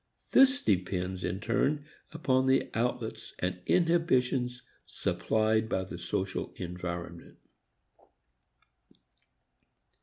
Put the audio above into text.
This depends in turn upon the outlets and inhibitions supplied by the social environment.